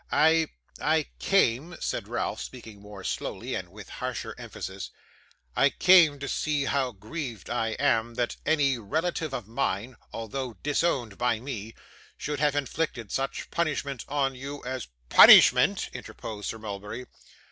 I I came,' said Ralph, speaking more slowly, and with harsher emphasis, 'I came to say how grieved I am that any relative of mine, although disowned by me, should have inflicted such punishment on you as ' 'Punishment!' interposed Sir Mulberry.